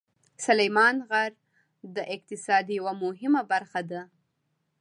سلیمان غر د اقتصاد یوه مهمه برخه ده.